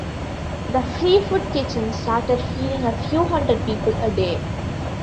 The Free Food Kitchen started feeding a few hundred people a day.